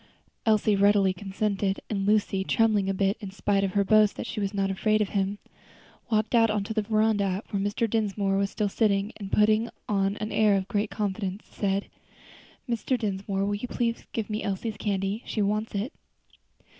Elsie readily consented, and Lucy, trembling a little in spite of her boast that she was not afraid of him, walked out on to the veranda where Mr. Dinsmore was still sitting, and putting on an air of great confidence, said: "Mr. Dinsmore, will you please to give me Elsie's candy? she wants it."